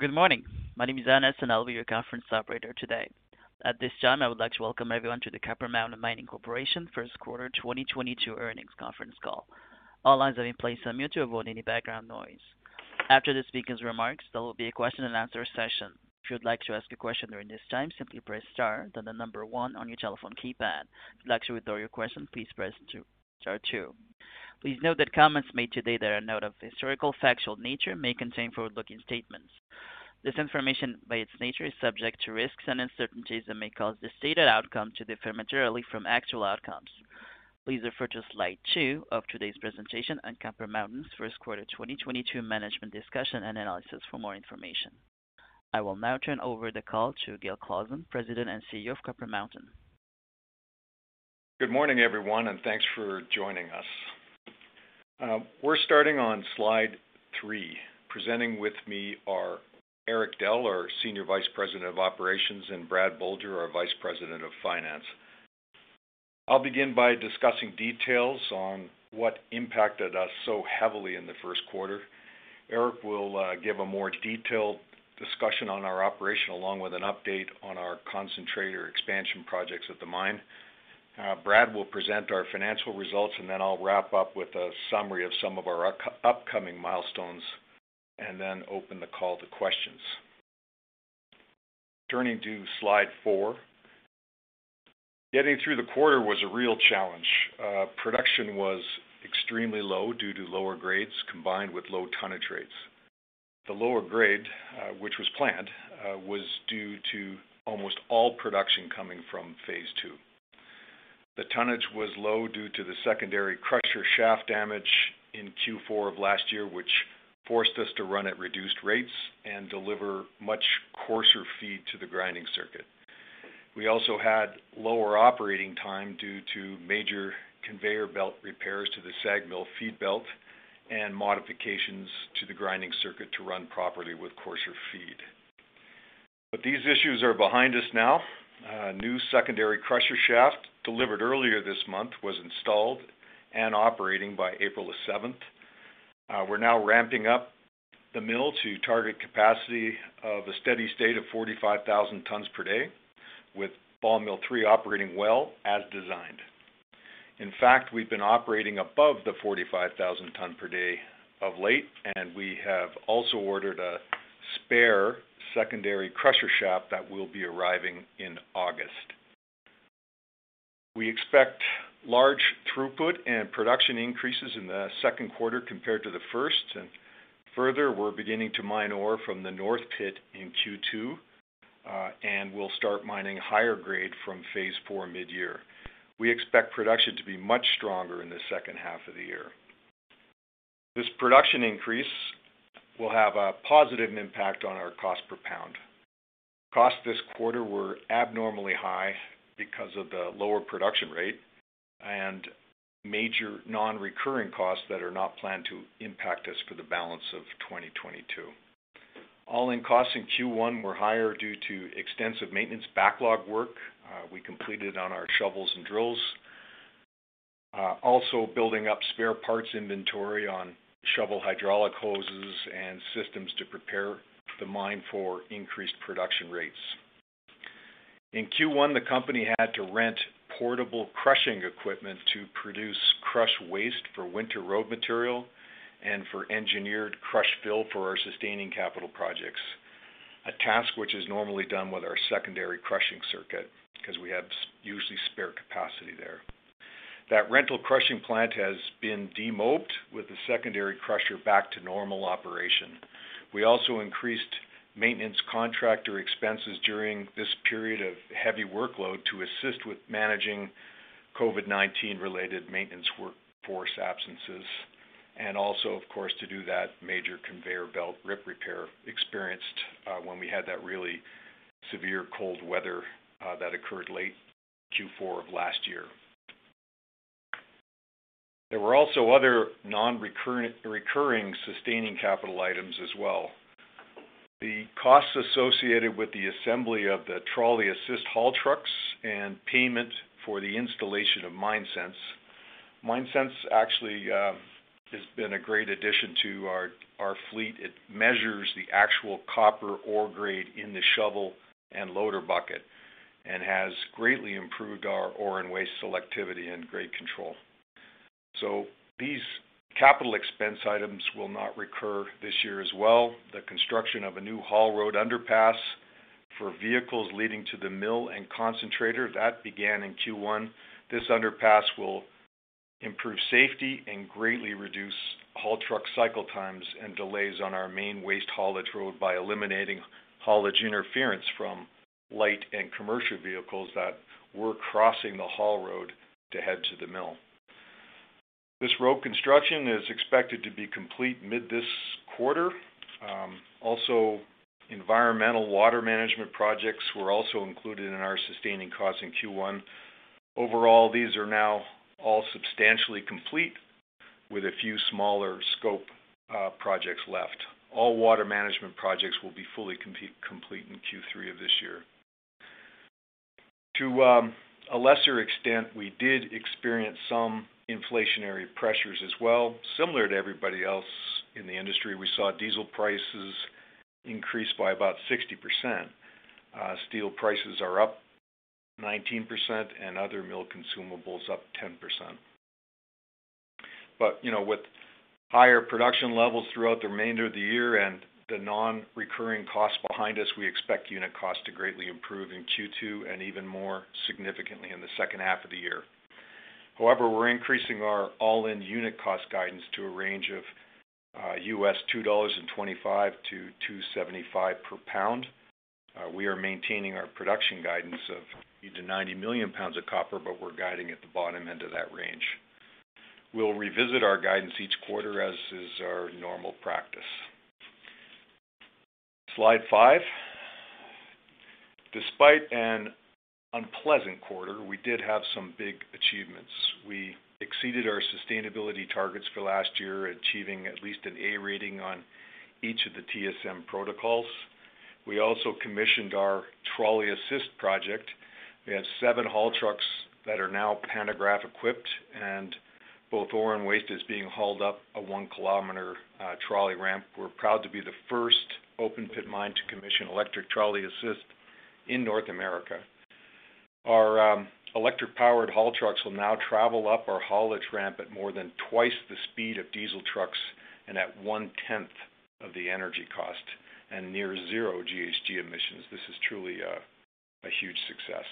Good morning. My name is Anis, and I'll be your conference operator today. At this time, I would like to welcome everyone to the Copper Mountain Mining Corporation First Quarter 2022 Earnings Conference Call. All lines have been placed on mute to avoid any background noise. After the speaker's remarks, there will be a question-and-answer session. If you'd like to ask a question during this time, simply press star, then the one on your telephone keypad. If you'd like to withdraw your question, please press star two. Please note that comments made today that are not of historical factual nature may contain forward-looking statements. This information by its nature is subject to risks and uncertainties that may cause the stated outcome to differ materially from actual outcomes. Please refer to slide two of today's presentation on Copper Mountain's first quarter 2022 management discussion and analysis for more information. I will now turn over the call to Gil Clausen, President and CEO of Copper Mountain. Good morning, everyone, and thanks for joining us. We're starting on slide three. Presenting with me are Eric Dell, our Senior Vice President of Operations, and Brad Bolger, our Vice President of Finance. I'll begin by discussing details on what impacted us so heavily in the first quarter. Eric will give a more detailed discussion on our operation along with an update on our concentrator expansion projects at the mine. Brad will present our financial results, and then I'll wrap up with a summary of some of our upcoming milestones and then open the call to questions. Turning to slide four, getting through the quarter was a real challenge. Production was extremely low due to lower grades combined with low tonnage rates. The lower grade, which was planned, was due to almost all production coming from phase II. The tonnage was low due to the secondary crusher shaft damage in Q4 of last year, which forced us to run at reduced rates and deliver much coarser feed to the grinding circuit. We also had lower operating time due to major conveyor belt repairs to the SAG mill feed belt and modifications to the grinding circuit to run properly with coarser feed. These issues are behind us now. New secondary crusher shaft delivered earlier this month was installed and operating by April 7th. We're now ramping up the mill to target capacity of a steady state of 45,000 tons per day with Ball Mill 3 operating well as designed. In fact, we've been operating above the 45,000 ton per day of late, and we have also ordered a spare secondary crusher shaft that will be arriving in August. We expect large throughput and production increases in the second quarter compared to the first. We're beginning to mine ore from the north pit in Q2, and we'll start mining higher grade from phase IV mid-year. We expect production to be much stronger in the second half of the year. This production increase will have a positive impact on our cost per pound. Costs this quarter were abnormally high because of the lower production rate and major non-recurring costs that are not planned to impact us for the balance of 2022. All-in costs in Q1 were higher due to extensive maintenance backlog work, we completed on our shovels and drills. Also building up spare parts inventory on shovel hydraulic hoses and systems to prepare the mine for increased production rates. In Q1, the company had to rent portable crushing equipment to produce crushed waste for winter road material and for engineered crushed fill for our sustaining capital projects, a task which is normally done with our secondary crushing circuit because we have usually spare capacity there. That rental crushing plant has been demobed, with the secondary crusher back to normal operation. We also increased maintenance contractor expenses during this period of heavy workload to assist with managing COVID-19 related maintenance workforce absences and also, of course, to do that major conveyor belt rip repair we experienced, when we had that really severe cold weather, that occurred late Q4 of last year. There were also other nonrecurring sustaining capital items as well. The costs associated with the assembly of the trolley assist haul trucks and payment for the installation of MineSense. MineSense actually has been a great addition to our fleet. It measures the actual copper ore grade in the shovel and loader bucket and has greatly improved our ore and waste selectivity and grade control. These capital expense items will not recur this year as well. The construction of a new haul road underpass for vehicles leading to the mill and concentrator, that began in Q1. This underpass will improve safety and greatly reduce haul truck cycle times and delays on our main waste haulage road by eliminating haulage interference from light and commercial vehicles that were crossing the haul road to head to the mill. This road construction is expected to be complete mid this quarter. Also, environmental water management projects were also included in our sustaining costs in Q1. Overall, these are now all substantially complete with a few smaller scope projects left. All water management projects will be fully completed. To a lesser extent, we did experience some inflationary pressures as well. Similar to everybody else in the industry, we saw diesel prices increase by about 60%. Steel prices are up 19%, and other mill consumables up 10%. You know, with higher production levels throughout the remainder of the year and the non-recurring costs behind us, we expect unit costs to greatly improve in Q2 and even more significantly in the second half of the year. However, we're increasing our all-in unit cost guidance to a range of $2.25-$2.75 per lbs. We are maintaining our production guidance of 90 million lbs of copper, but we're guiding at the bottom end of that range. We'll revisit our guidance each quarter, as is our normal practice. Slide five. Despite an unpleasant quarter, we did have some big achievements. We exceeded our sustainability targets for last year, achieving at least an A rating on each of the TSM protocols. We also commissioned our trolley assist project. We have seven haul trucks that are now pantograph equipped, and both ore and waste is being hauled up a 1 km trolley ramp. We're proud to be the first open pit mine to commission electric trolley assist in North America. Our electric-powered haul trucks will now travel up our haulage ramp at more than twice the speed of diesel trucks and at 1/10 of the energy cost and near zero GHG emissions. This is truly a huge success.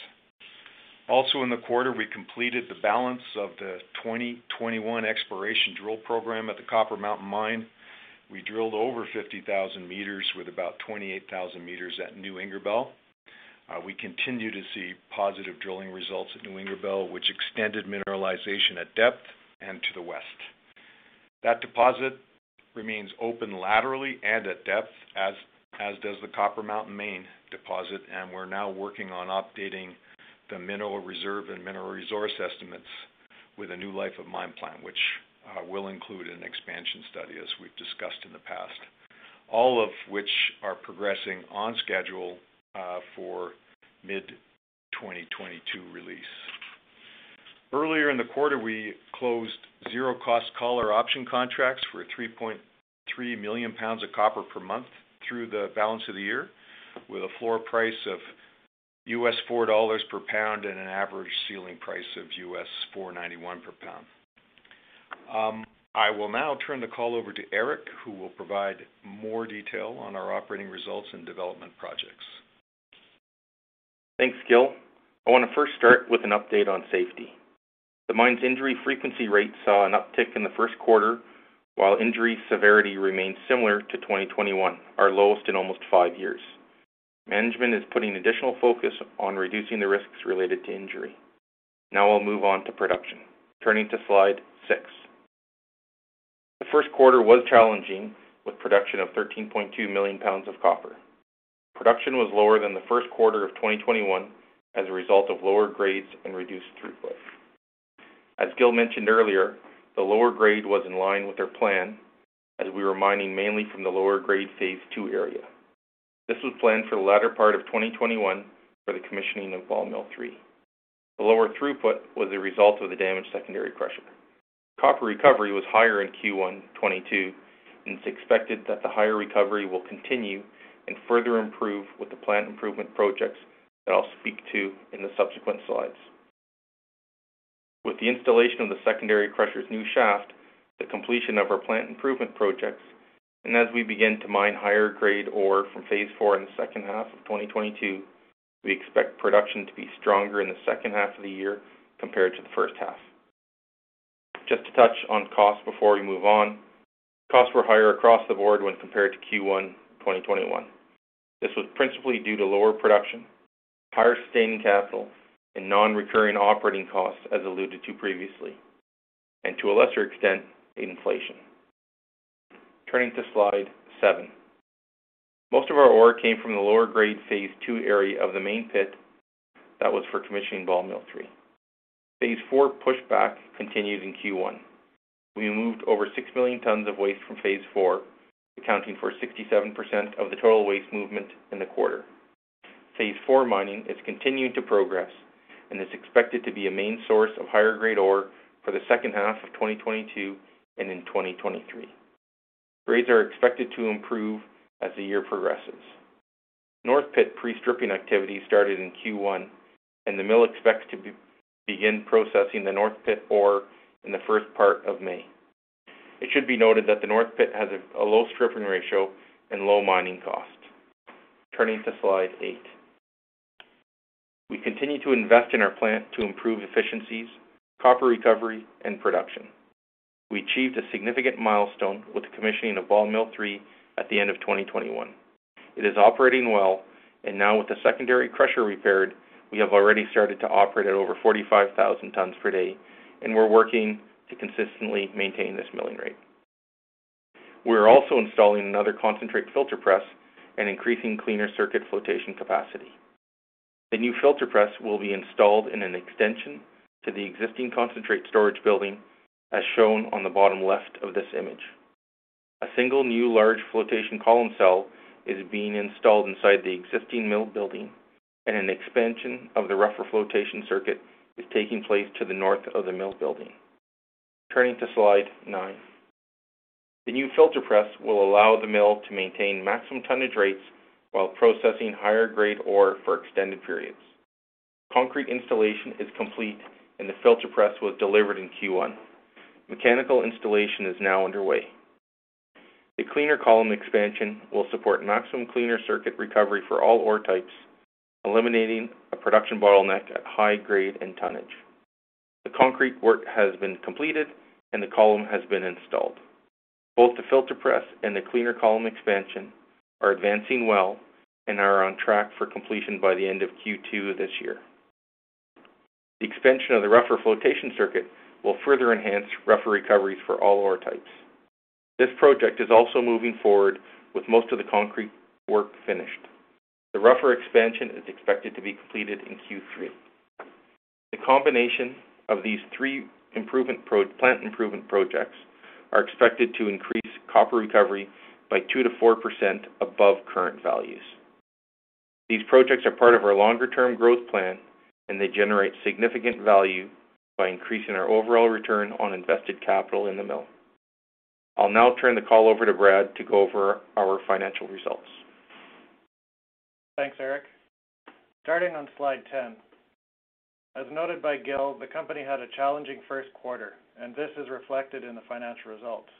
Also in the quarter, we completed the balance of the 2021 exploration drill program at the Copper Mountain Mine. We drilled over 50,000 m with about 28,000 m at New Ingerbelle. We continue to see positive drilling results at New Ingerbelle, which extended mineralization at depth and to the west. That deposit remains open laterally and at depth, as does the Copper Mountain main deposit, and we're now working on updating the mineral reserve and mineral resource estimates with a new life of mine plan, which will include an expansion study, as we've discussed in the past, all of which are progressing on schedule for mid-2022 release. Earlier in the quarter, we closed zero cost collar option contracts for 3.3 million lbs of copper per month through the balance of the year with a floor price of $4 per lbs and an average ceiling price of $4.91 per lbs. I will now turn the call over to Eric, who will provide more detail on our operating results and development projects. Thanks, Gil. I want to first start with an update on safety. The mine's injury frequency rate saw an uptick in the first quarter, while injury severity remained similar to 2021, our lowest in almost five years. Management is putting additional focus on reducing the risks related to injury. Now we'll move on to production. Turning to slide six. The first quarter was challenging with production of 13.2 million lbs of copper. Production was lower than the first quarter of 2021 as a result of lower grades and reduced throughput. As Gil mentioned earlier, the lower grade was in line with our plan as we were mining mainly from the lower grade phase II area. This was planned for the latter part of 2021 for the commissioning of Ball Mill 3. The lower throughput was a result of the damaged secondary crusher. Copper recovery was higher in Q1 2022, and it's expected that the higher recovery will continue and further improve with the plant improvement projects that I'll speak to in the subsequent slides. With the installation of the secondary crusher's new shaft, the completion of our plant improvement projects, and as we begin to mine higher grade ore from phase IV in the second half of 2022, we expect production to be stronger in the second half of the year compared to the first half. Just to touch on cost before we move on, costs were higher across the board when compared to Q1 2021. This was principally due to lower production, higher sustaining capital, and non-recurring operating costs, as alluded to previously, and to a lesser extent, inflation. Turning to slide seven. Most of our ore came from the lower grade phase II area of the main pit that was for commissioning Ball Mill 3. Phase IV pushback continued in Q1. We moved over 6 million tons of waste from phase IV, accounting for 67% of the total waste movement in the quarter. Phase IV mining is continuing to progress and is expected to be a main source of higher grade ore for the second half of 2022 and in 2023. Grades are expected to improve as the year progresses. North pit pre-stripping activity started in Q1, and the mill expects to begin processing the north pit ore in the first part of May. It should be noted that the north pit has a low stripping ratio and low mining cost. Turning to slide eight. We continue to invest in our plant to improve efficiencies, copper recovery, and production. We achieved a significant milestone with the commissioning of Ball Mill 3 at the end of 2021. It is operating well, and now with the secondary crusher repaired, we have already started to operate at over 45,000 tons per day, and we're working to consistently maintain this milling rate. We're also installing another concentrate filter press and increasing cleaner circuit flotation capacity. The new filter press will be installed in an extension to the existing concentrate storage building, as shown on the bottom left of this image. A single new large flotation column cell is being installed inside the existing mill building, and an expansion of the rougher flotation circuit is taking place to the north of the mill building. Turning to slide nine. The new filter press will allow the mill to maintain maximum tonnage rates while processing higher grade ore for extended periods. Concrete installation is complete and the filter press was delivered in Q1. Mechanical installation is now underway. The cleaner column expansion will support maximum cleaner circuit recovery for all ore types, eliminating a production bottleneck at high grade and tonnage. The concrete work has been completed and the column has been installed. Both the filter press and the cleaner column expansion are advancing well and are on track for completion by the end of Q2 this year. The expansion of the rougher flotation circuit will further enhance rougher recoveries for all ore types. This project is also moving forward with most of the concrete work finished. The rougher expansion is expected to be completed in Q3. The combination of these three plant improvement projects are expected to increase copper recovery by 2%-4% above current values. These projects are part of our longer term growth plan, and they generate significant value by increasing our overall return on invested capital in the mill. I'll now turn the call over to Brad to go over our financial results. Thanks, Eric. Starting on slide 10. As noted by Gil, the company had a challenging first quarter, and this is reflected in the financial results.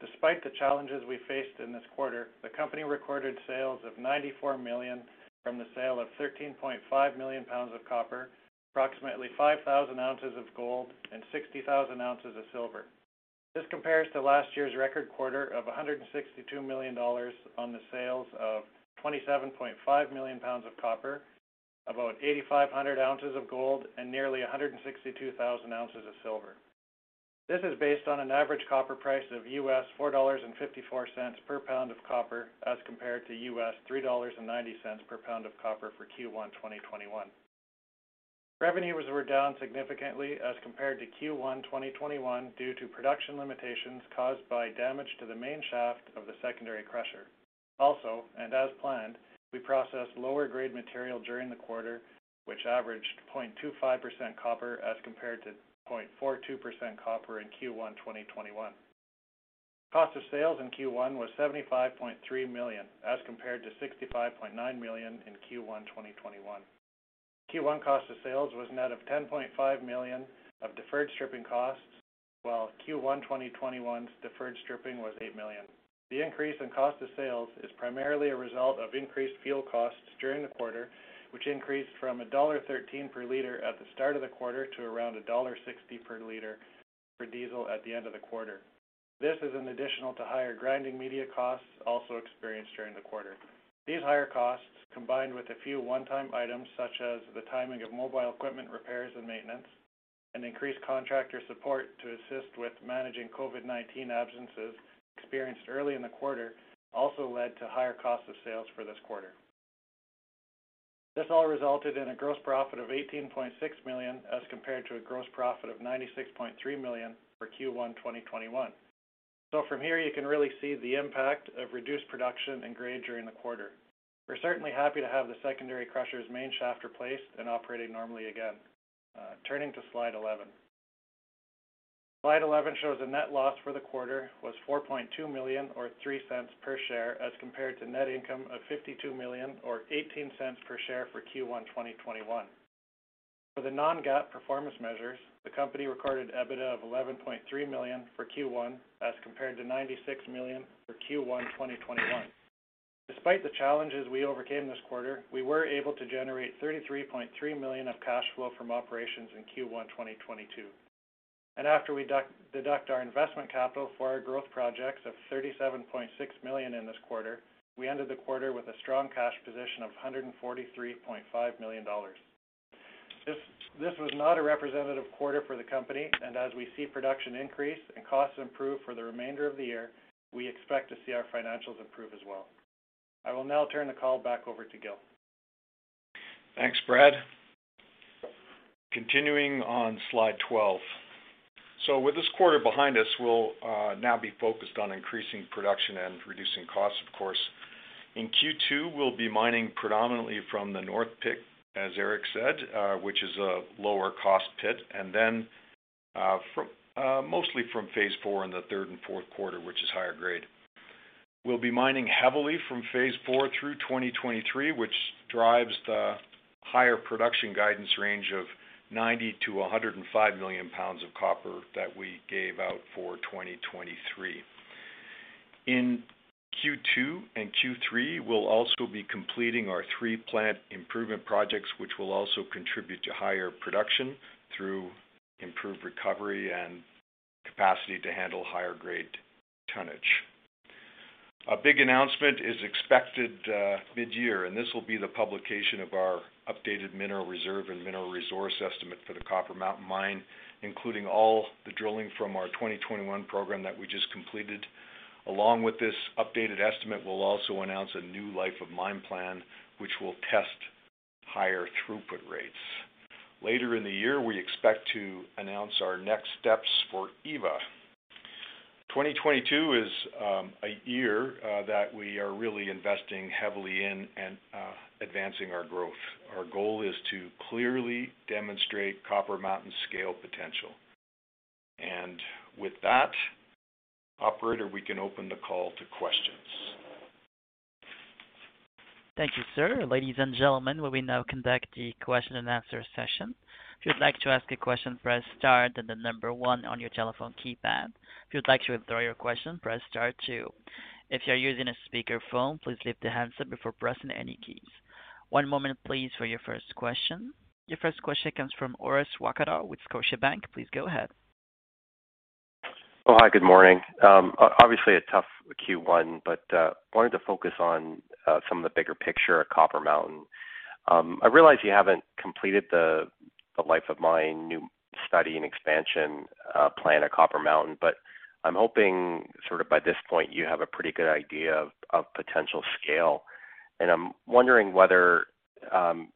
Despite the challenges we faced in this quarter, the company recorded sales of 94 million from the sale of 13.5 million lbs of copper, approximately 5,000 ounces of gold, and 60,000 ounces of silver. This compares to last year's record quarter of 162 million dollars on the sales of 27.5 million lbs of copper, about 8,500 ounces of gold, and nearly 162,000 ounces of silver. This is based on an average copper price of $2.54 per lbs of copper as compared to $3.90 per lbs of copper for Q1 2021. Revenue was down significantly as compared to Q1 2021 due to production limitations caused by damage to the main shaft of the secondary crusher. Also, and as planned, we processed lower grade material during the quarter, which averaged 0.25% copper as compared to 0.42% copper in Q1 2021. Cost of sales in Q1 was 75.3 million, as compared to 65.9 million in Q1 2021. Q1 cost of sales was net of 10.5 million of deferred stripping costs, while Q1 2021's deferred stripping was 8 million. The increase in cost of sales is primarily a result of increased fuel costs during the quarter, which increased from dollar 1.13 per liter at the start of the quarter to around dollar 1.60 per liter for diesel at the end of the quarter. This is in addition to higher grinding media costs also experienced during the quarter. These higher costs, combined with a few one-time items such as the timing of mobile equipment repairs and maintenance, and increased contractor support to assist with managing COVID-19 absences experienced early in the quarter, also led to higher cost of sales for this quarter. This all resulted in a gross profit of 18.6 million, as compared to a gross profit of 96.3 million for Q1 2021. From here, you can really see the impact of reduced production and grade during the quarter. We're certainly happy to have the secondary crusher's main shaft replaced and operating normally again. Turning to slide 11. Slide 11 shows a net loss for the quarter was 4.2 million or 0.03 per share as compared to net income of 52 million or 0.18 per share for Q1 2021. For the non-GAAP performance measures, the company recorded EBITDA of 11.3 million for Q1 as compared to 96 million for Q1 2021. Despite the challenges we overcame this quarter, we were able to generate 33.3 million of cash flow from operations in Q1 2022. After we deduct our investment capital for our growth projects of 37.6 million in this quarter, we ended the quarter with a strong cash position of 143.5 million dollars. This was not a representative quarter for the company, and as we see production increase and costs improve for the remainder of the year, we expect to see our financials improve as well. I will now turn the call back over to Gil. Thanks, Brad. Continuing on slide 12. With this quarter behind us, we'll now be focused on increasing production and reducing costs, of course. In Q2, we'll be mining predominantly from the north pit, as Eric said, which is a lower cost pit, and then mostly from phase IV in the third and fourth quarter, which is higher grade. We'll be mining heavily from phase IV through 2023, which drives the higher production guidance range of 90 million-105 million lbs of copper that we gave out for 2023. In Q2 and Q3, we'll also be completing our three plant improvement projects, which will also contribute to higher production through improved recovery and capacity to handle higher grade tonnage. A big announcement is expected mid-year, and this will be the publication of our updated mineral reserve and mineral resource estimate for the Copper Mountain Mine, including all the drilling from our 2021 program that we just completed. Along with this updated estimate, we'll also announce a new life of mine plan, which will test higher throughput rates. Later in the year, we expect to announce our next steps for Eva. 2022 is a year that we are really investing heavily in and advancing our growth. Our goal is to clearly demonstrate Copper Mountain scale potential. With that, operator, we can open the call to questions. Thank you, sir. Ladies and gentlemen, we will now conduct the question-and-answer session. If you'd like to ask a question, press star, then the number one on your telephone keypad. If you'd like to withdraw your question, press star two. If you're using a speakerphone, please lift the handset before pressing any keys. One moment please, for your first question. Your first question comes from Orest Wowkodaw with Scotiabank. Please go ahead. Oh, hi, good morning. Obviously a tough Q1, but wanted to focus on some of the bigger picture at Copper Mountain. I realize you haven't completed the life of mine new study and expansion plan at Copper Mountain, but I'm hoping sort of by this point you have a pretty good idea of potential scale. I'm wondering whether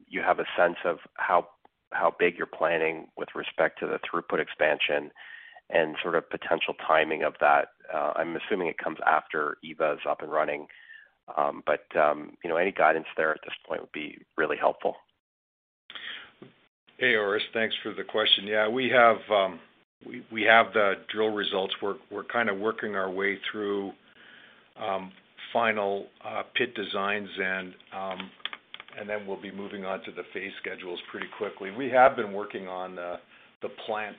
you have a sense of how big you're planning with respect to the throughput expansion and sort of potential timing of that. I'm assuming it comes after Eva's up and running. But you know, any guidance there at this point would be really helpful. Hey, Orest, thanks for the question. Yeah, we have the drill results. We're kind of working our way through final pit designs and then we'll be moving on to the phase schedules pretty quickly. We have been working on the plant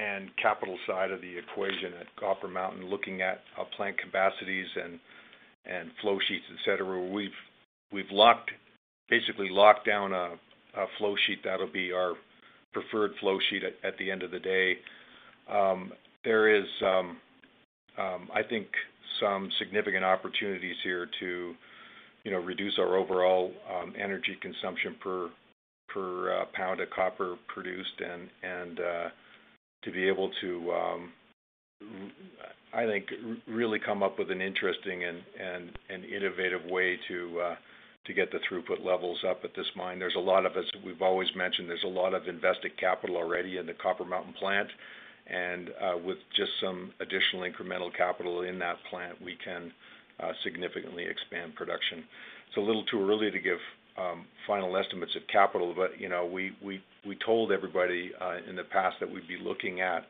and capital side of the equation at Copper Mountain, looking at plant capacities and flow sheets, et cetera. We've basically locked down a flow sheet that'll be our preferred flow sheet at the end of the day. There is, I think, some significant opportunities here to, you know, reduce our overall energy consumption per pound of copper produced and to be able to really come up with an interesting and innovative way to get the throughput levels up at this mine. There's a lot of, as we've always mentioned, invested capital already in the Copper Mountain plant. With just some additional incremental capital in that plant, we can significantly expand production. It's a little too early to give final estimates of capital, but you know, we told everybody in the past that we'd be looking at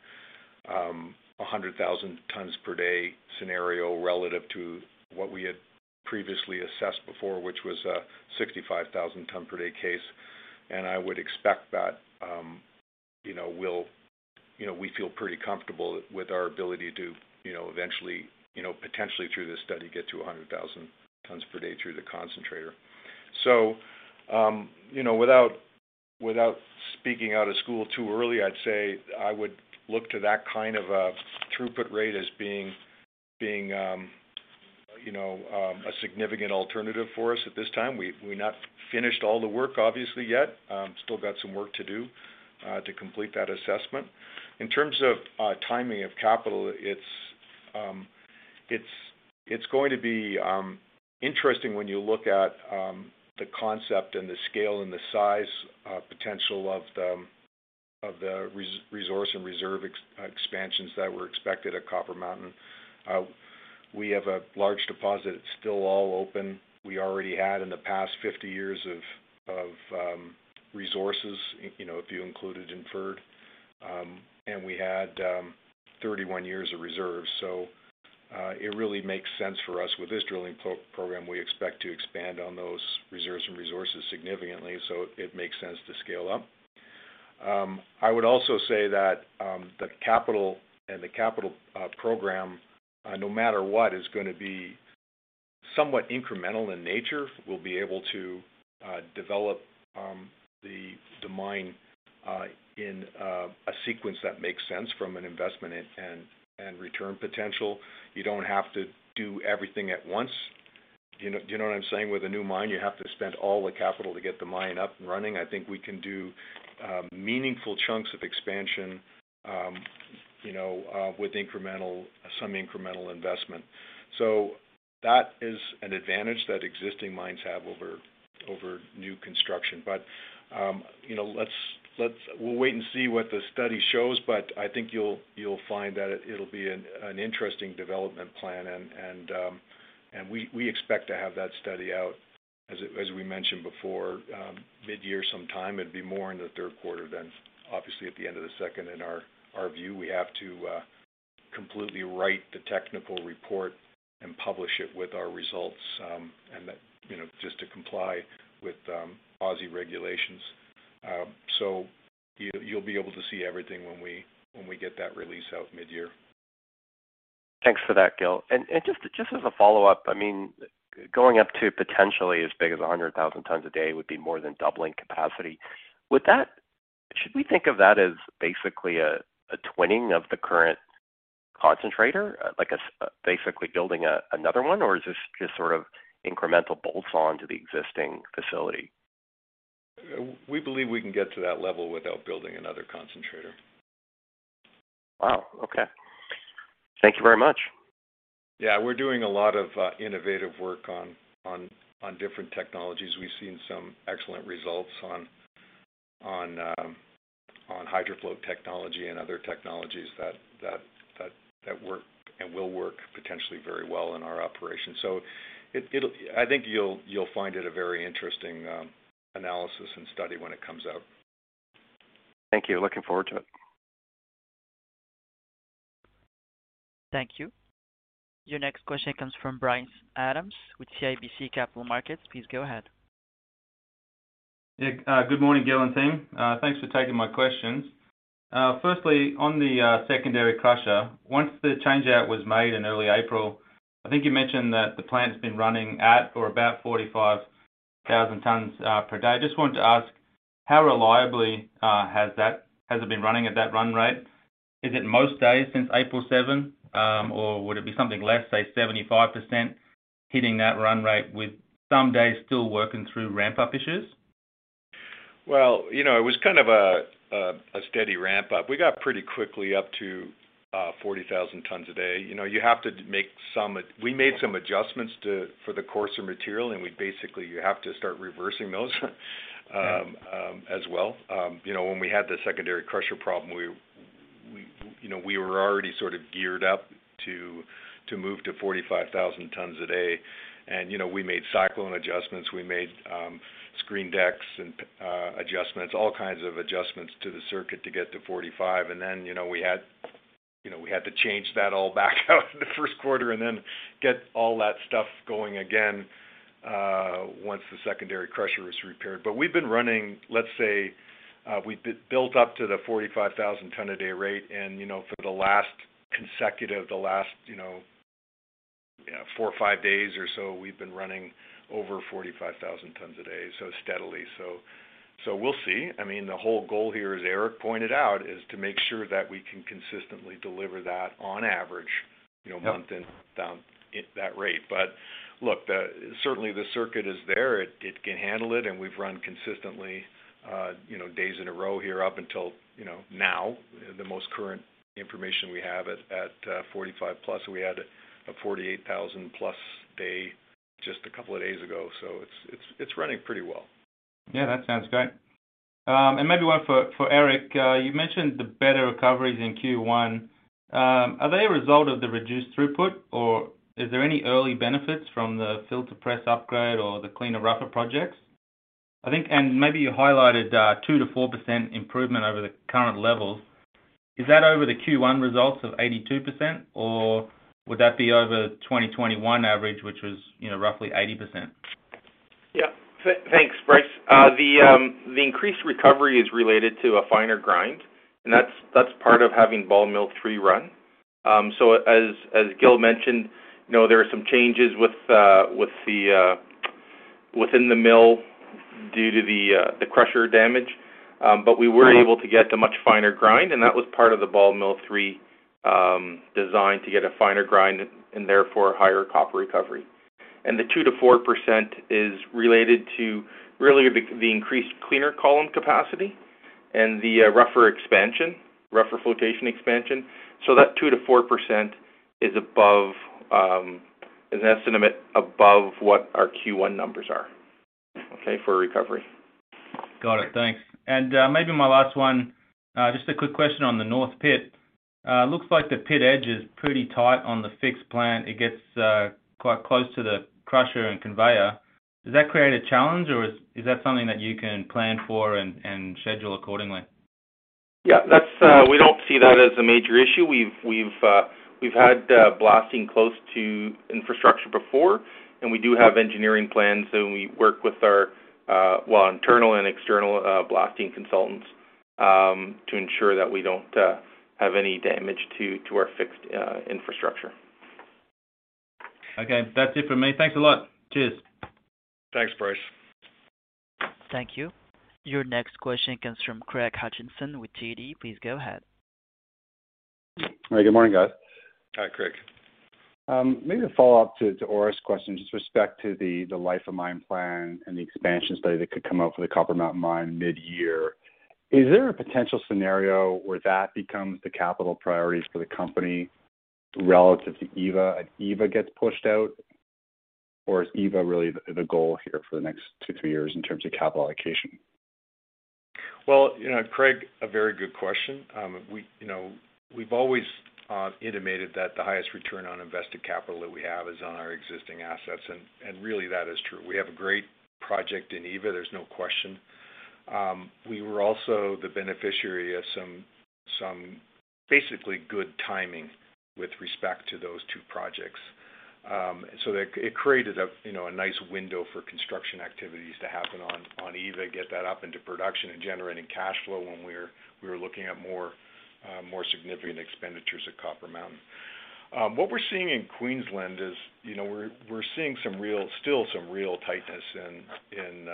100,000 tons per day scenario relative to what we had previously assessed before, which was a 65,000 tons per day case. I would expect that you know, we feel pretty comfortable with our ability to you know, eventually you know, potentially through this study, get to 100,000 tons per day through the concentrator. You know, without speaking out of school too early, I'd say I would look to that kind of a throughput rate as being you know a significant alternative for us at this time. We've not finished all the work obviously yet. Still got some work to do to complete that assessment. In terms of timing of capital, it's going to be interesting when you look at the concept and the scale and the size potential of the resource and reserve expansions that were expected at Copper Mountain. We have a large deposit. It's still all open. We already had in the past 50 years of resources, you know, if you include inferred, and we had 31 years of reserves. It really makes sense for us. With this drilling program, we expect to expand on those reserves and resources significantly, so it makes sense to scale up. I would also say that the capital program, no matter what, is gonna be somewhat incremental in nature. We'll be able to develop the mine in a sequence that makes sense from an investment and return potential. You don't have to do everything at once. Do you know what I'm saying? With a new mine, you have to spend all the capital to get the mine up and running. I think we can do meaningful chunks of expansion, you know, with some incremental investment. That is an advantage that existing mines have over new construction. You know, let's wait and see what the study shows, but I think you'll find that it'll be an interesting development plan and we expect to have that study out as we mentioned before, mid-year sometime. It'd be more in the third quarter than obviously at the end of the second. In our view, we have to completely write the technical report and publish it with our results, and that, you know, just to comply with JORC regulations. You'll be able to see everything when we get that release out midyear. Thanks for that, Gil. Just as a follow-up, I mean, going up to potentially as big as 100,000 tons a day would be more than doubling capacity. Should we think of that as basically a twinning of the current concentrator, like basically building another one, or is this just sort of incremental bolt-ons to the existing facility? We believe we can get to that level without building another concentrator. Wow, okay. Thank you very much. Yeah, we're doing a lot of innovative work on different technologies. We've seen some excellent results on HydroFloat technology and other technologies that work and will work potentially very well in our operation. It'll. I think you'll find it a very interesting analysis and study when it comes out. Thank you. Looking forward to it. Thank you. Your next question comes from Bryce Adams with CIBC Capital Markets. Please go ahead. Yeah. Good morning, Gil and team. Thanks for taking my questions. Firstly, on the secondary crusher, once the changeout was made in early April, I think you mentioned that the plant has been running at or about 45,000 tons per day. Just wanted to ask, how reliably has it been running at that run rate? Is it most days since April 7, or would it be something less, say, 75% hitting that run rate with some days still working through ramp-up issues? Well, you know, it was kind of a steady ramp-up. We got pretty quickly up to 40,000 tons a day. You know, we made some adjustments to for the coarser material, and we basically had to start reversing those as well. You know, when we had the secondary crusher problem, we were already sort of geared up to move to 45,000 tons a day. You know, we made cyclone adjustments. We made screen decks and adjustments, all kinds of adjustments to the circuit to get to 45,000. You know, we had to change that all back out in the first quarter and then get all that stuff going again once the secondary crusher is repaired. We've been running, let's say, we built up to the 45,000 tons a day rate. You know, for the last four or five days or so, we've been running over 45,000 tons a day, so steadily. We'll see. I mean, the whole goal here, as Eric pointed out, is to make sure that we can consistently deliver that on average, you know, month in, month out at that rate. Look, certainly the circuit is there. It can handle it, and we've run consistently, you know, days in a row here up until, you know, now, the most current information we have at 45,000+. We had a 48,000+ day just a couple of days ago. It's running pretty well. Yeah, that sounds great. Maybe one for Eric. You mentioned the better recoveries in Q1. Are they a result of the reduced throughput, or is there any early benefits from the filter press upgrade or the cleaner rougher projects? I think maybe you highlighted 2%-4% improvement over the current levels. Is that over the Q1 results of 82%, or would that be over 2021 average, which was, you know, roughly 80%? Yeah. Thanks, Bryce. The increased recovery is related to a finer grind, and that's part of having Ball Mill 3 run. So as Gil mentioned, you know, there are some changes within the mill due to the crusher damage. But we were able to get a much finer grind, and that was part of the Ball Mill 3 design to get a finer grind and therefore a higher copper recovery. The 2%-4% is related to really the increased cleaner column capacity and the rougher expansion, rougher flotation expansion. So that 2%-4% is an estimate above what our Q1 numbers are, okay, for recovery. Got it. Thanks. Maybe my last one, just a quick question on the North Pit. Looks like the pit edge is pretty tight on the fixed plant. It gets quite close to the crusher and conveyor. Does that create a challenge, or is that something that you can plan for and schedule accordingly? Yeah, that's. We don't see that as a major issue. We've had blasting close to infrastructure before, and we do have engineering plans, and we work with our well, internal and external blasting consultants to ensure that we don't have any damage to our fixed infrastructure. Okay. That's it for me. Thanks a lot. Cheers. Thanks, Bryce. Thank you. Your next question comes from Craig Hutchison with TD. Please go ahead. Hey, good morning, guys. Hi, Craig. Maybe to follow up to Orest's question, just with respect to the life of mine plan and the expansion study that could come out for the Copper Mountain Mine mid-year. Is there a potential scenario where that becomes the capital priorities for the company relative to Eva, and Eva gets pushed out? Or is Eva really the goal here for the next two, three years in terms of capital allocation? Well, you know, Craig, a very good question. We, you know, we've always intimated that the highest return on invested capital that we have is on our existing assets, and really that is true. We have a great project in Eva, there's no question. We were also the beneficiary of some basically good timing with respect to those two projects, so that it created a, you know, a nice window for construction activities to happen on Eva, get that up into production and generating cash flow when we were looking at more significant expenditures at Copper Mountain. What we're seeing in Queensland is, you know, we're seeing some real, still some real tightness in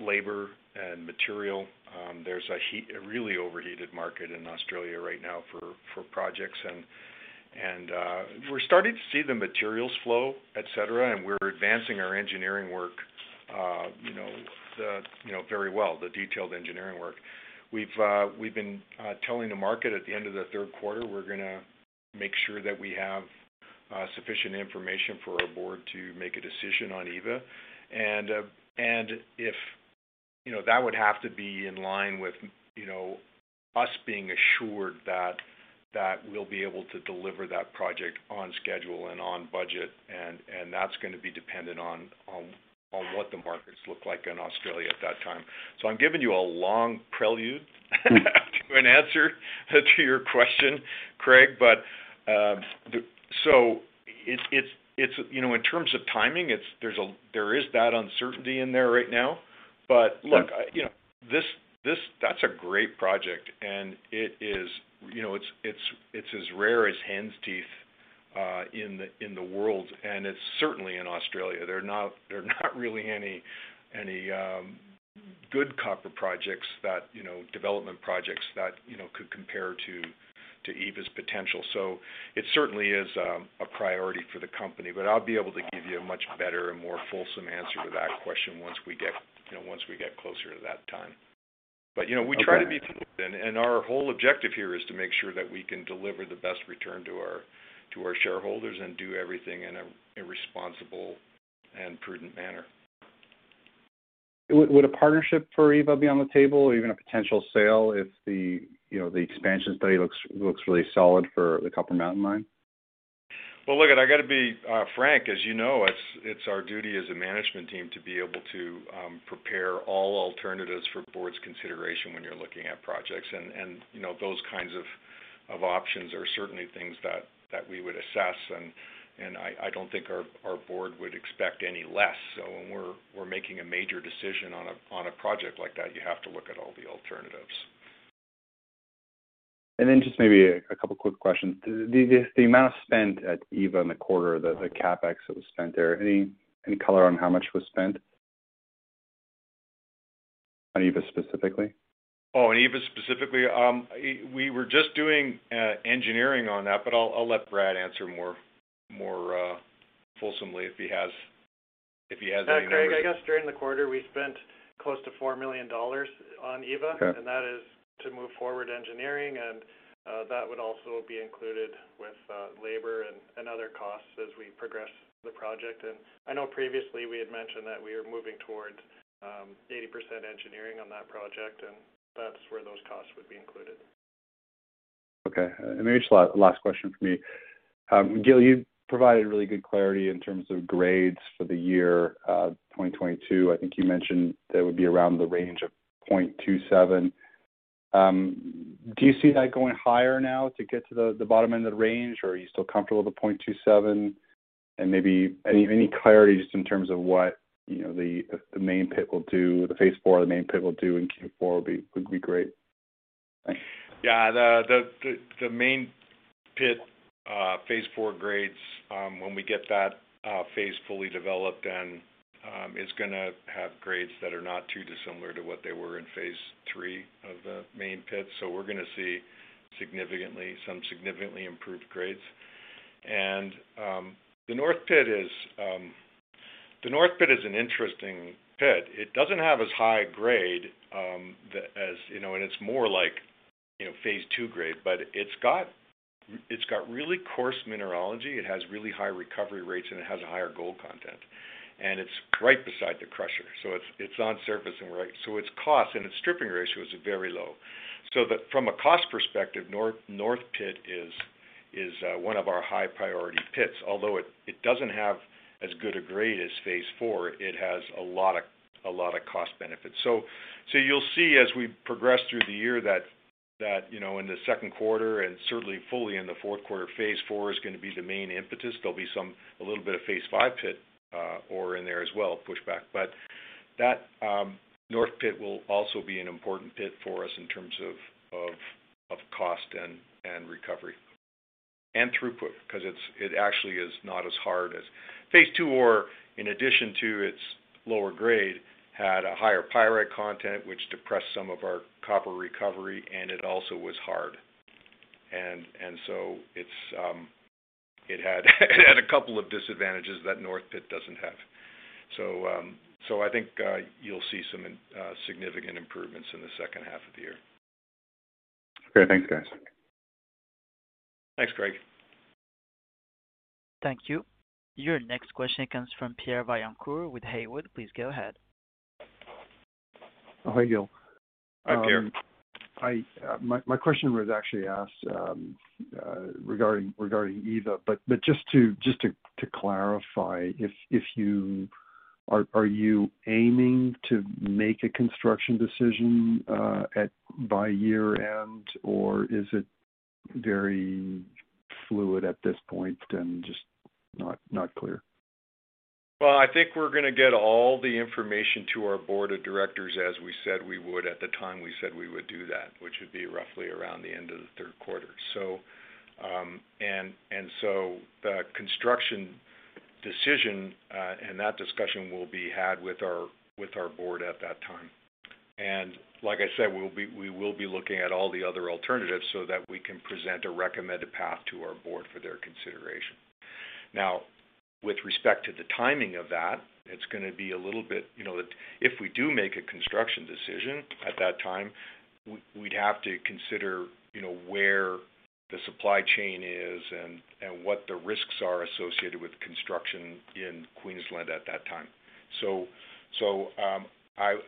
labor and material. There's a heat, a really overheated market in Australia right now for projects and, we're starting to see the materials flow, et cetera, and we're advancing our engineering work, you know very well the detailed engineering work. We've been telling the market at the end of the third quarter, we're gonna make sure that we have sufficient information for our board to make a decision on Eva. You know, that would have to be in line with, you know, us being assured that we'll be able to deliver that project on schedule and on budget, and that's gonna be dependent on what the markets look like in Australia at that time. I'm giving you a long prelude to an answer to your question, Craig. It's, you know, in terms of timing, there is that uncertainty in there right now. Look, you know, this. That's a great project, and it is. You know, it's as rare as hen's teeth in the world, and it's certainly in Australia. There are not really any good copper projects that, you know, development projects that, you know, could compare to Eva's potential. It certainly is a priority for the company, but I'll be able to give you a much better and more fulsome answer to that question once we get, you know, closer to that time. You know, we try to be prudent, and our whole objective here is to make sure that we can deliver the best return to our shareholders and do everything in a responsible and prudent manner. Would a partnership for Eva be on the table or even a potential sale if, you know, the expansion study looks really solid for the Copper Mountain Mine? Well, look, I gotta be frank. As you know, it's our duty as a management team to be able to prepare all alternatives for board's consideration when you're looking at projects. You know, those kinds of options are certainly things that we would assess, and I don't think our board would expect any less. When we're making a major decision on a project like that, you have to look at all the alternatives. just maybe a couple quick questions. The amount spent at Eva in the quarter, the CapEx that was spent there, any color on how much was spent? On Eva specifically. Oh, on Eva specifically? We were just doing engineering on that, but I'll let Brad answer more fulsomely if he has any numbers. Yeah, Craig, I guess during the quarter we spent close to 4 million dollars on Eva. Okay. That is to move forward engineering and that would also be included with labor and other costs as we progress the project. I know previously we had mentioned that we are moving towards 80% engineering on that project, and that's where those costs would be included. Okay. Maybe just last question from me. Gil, you provided really good clarity in terms of grades for the year 2022. I think you mentioned that would be around the range of 0.27%. Do you see that going higher now to get to the bottom end of the range, or are you still comfortable with the 0.27%? Maybe any clarity just in terms of what you know the main pit will do, the phase IV, in Q4 would be great. Thanks. Yeah. The main pit phase IV grades when we get that phase fully developed and is gonna have grades that are not too dissimilar to what they were in phase III of the main pit. We're gonna see significantly improved grades. The north pit is an interesting pit. It doesn't have as high grade as you know and it's more like you know phase II grade, but it's got really coarse mineralogy. It has really high recovery rates, and it has a higher gold content. It's right beside the crusher, so it's on surface and right. Its cost and its stripping ratio is very low. From a cost perspective, north pit is one of our high priority pits. Although it doesn't have as good a grade as phase IV, it has a lot of cost benefits. You'll see as we progress through the year that, you know, in the second quarter and certainly fully in the fourth quarter, phase IV is gonna be the main impetus. There'll be some a little bit of phase V pit ore in there as well, pushback. That north pit will also be an important pit for us in terms of cost and recovery and throughput, 'cause it actually is not as hard as phase II ore, in addition to its lower grade, had a higher pyrite content which depressed some of our copper recovery, and it also was hard. It had a couple of disadvantages that north pit doesn't have. I think you'll see some significant improvements in the second half of the year. Okay. Thanks, guys. Thanks, Craig. Thank you. Your next question comes from Pierre Vaillancourt with Haywood. Please go ahead. Hi, Gil. Hi, Pierre. My question was actually asked regarding Eva, but just to clarify, if you are aiming to make a construction decision by year-end, or is it very fluid at this point and just not clear? I think we're gonna get all the information to our board of directors as we said we would at the time we said we would do that, which would be roughly around the end of the third quarter. The construction decision, and that discussion will be had with our board at that time. Like I said, we will be looking at all the other alternatives so that we can present a recommended path to our board for their consideration. Now, with respect to the timing of that, it's gonna be a little bit. You know, if we do make a construction decision at that time, we'd have to consider, you know, where the supply chain is and what the risks are associated with construction in Queensland at that time.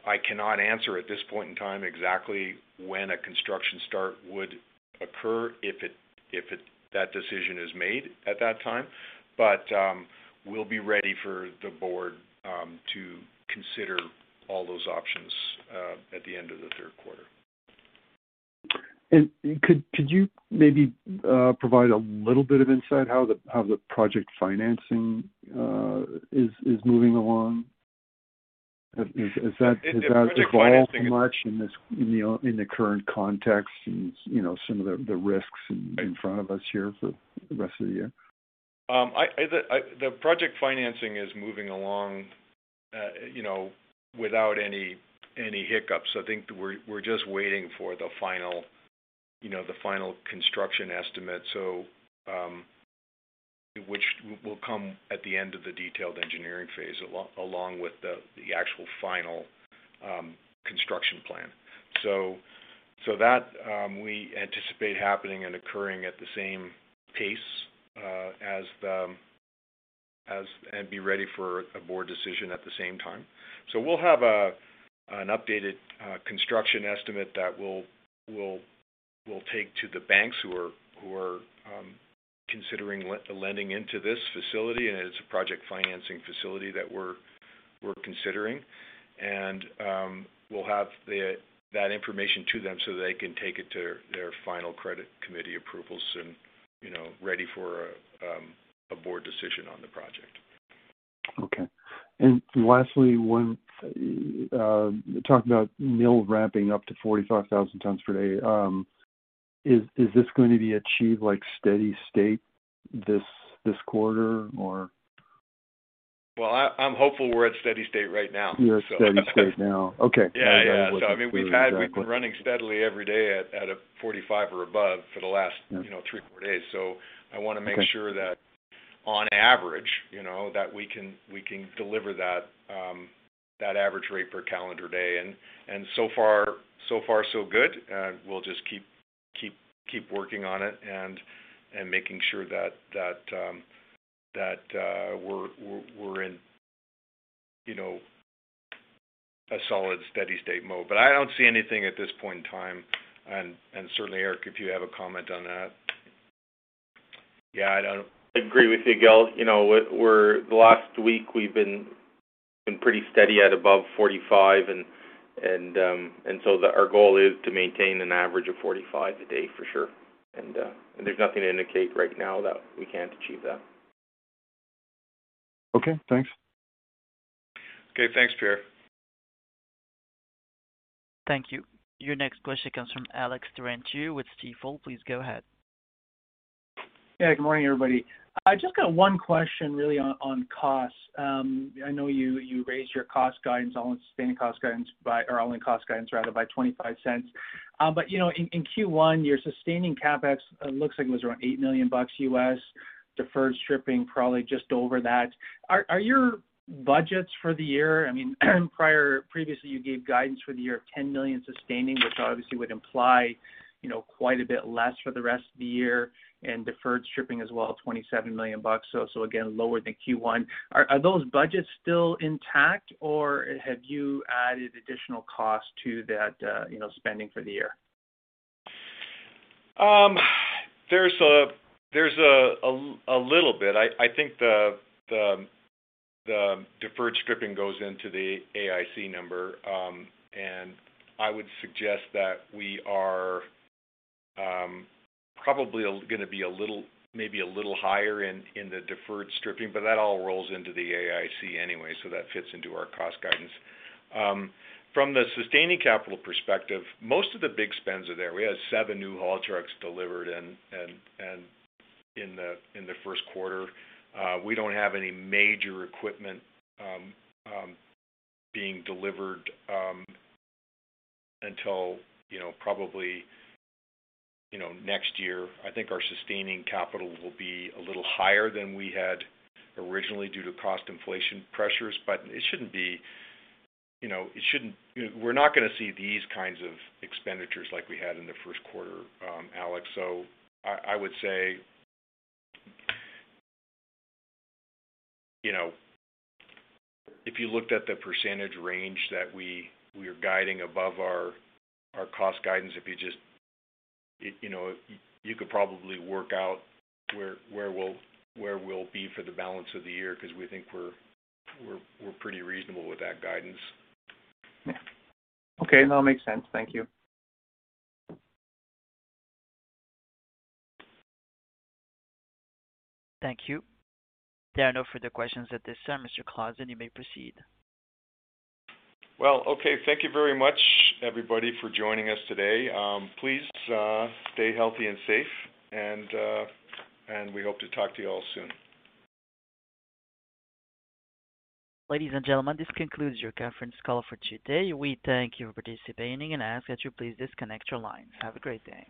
I cannot answer at this point in time exactly when a construction start would occur if that decision is made at that time. We'll be ready for the board to consider all those options at the end of the third quarter. Could you maybe provide a little bit of insight how the project financing is moving along? Has that evolved much in the current context and, you know, some of the risks in front of us here for the rest of the year? The project financing is moving along, you know, without any hiccups. I think we're just waiting for the final, you know, the final construction estimate, which will come at the end of the detailed engineering phase, along with the actual final construction plan. We anticipate that happening and occurring at the same pace and be ready for a board decision at the same time. We'll have an updated construction estimate that we'll take to the banks who are considering lending into this facility, and it's a project financing facility that we're considering. We'll have that information to them so they can take it to their final credit committee approval soon, you know, ready for a board decision on the project. Okay. Lastly, you talked about mill ramping up to 45,000 tons per day. Is this going to be achieved like steady state this quarter or? Well, I'm hopeful we're at steady state right now. You're at steady state now. Okay. Got it. Yeah, yeah. I mean, we've had- Exactly. We've been running steadily every day at a 45,000 or above for the last- Yeah. you know, three, four days. Okay. I wanna make sure that on average, you know, that we can deliver that average rate per calendar day. So far so good. We'll just keep working on it and making sure that we're in, you know, a solid, steady state mode. I don't see anything at this point in time and certainly, Eric, if you have a comment on that. Yeah. I don't agree with you, Gil. You know, the last week we've been pretty steady at above 45,000 and our goal is to maintain an average of 45,000 a day for sure. There's nothing to indicate right now that we can't achieve that. Okay, thanks. Okay, thanks, Pierre. Thank you. Your next question comes from Alex Terentiew with Stifel. Please go ahead. Yeah, good morning, everybody. I just got one question really on costs. I know you raised your cost guidance on all-in cost guidance rather by $0.25. But you know, in Q1, your sustaining CapEx, it looks like it was around $8 million, deferred stripping probably just over that. Are your budgets for the year intact? I mean, previously, you gave guidance for the year of 10 million sustaining, which obviously would imply, you know, quite a bit less for the rest of the year and deferred stripping as well, 27 million bucks, so again, lower than Q1. Are those budgets still intact, or have you added additional cost to that spending for the year? There's a little bit. I think the deferred stripping goes into the AIC number. I would suggest that we are probably gonna be a little, maybe a little higher in the deferred stripping. That all rolls into the AIC anyway, so that fits into our cost guidance. From the sustaining capital perspective, most of the big spends are there. We had seven new haul trucks delivered in the first quarter. We don't have any major equipment being delivered until, you know, probably, you know, next year. I think our sustaining capital will be a little higher than we had originally due to cost inflation pressures. It shouldn't be. You know, it shouldn't. You know, we're not gonna see these kinds of expenditures like we had in the first quarter, Alex. I would say, you know, if you looked at the percentage range that we are guiding above our cost guidance, you could probably work out where we'll be for the balance of the year 'cause we think we're pretty reasonable with that guidance. Yeah. Okay. No, it makes sense. Thank you. Thank you. There are no further questions at this time, Mr. Clausen. You may proceed. Well, okay. Thank you very much, everybody, for joining us today. Please stay healthy and safe. We hope to talk to you all soon. Ladies and gentlemen, this concludes your conference call for today. We thank you for participating and ask that you please disconnect your lines. Have a great day.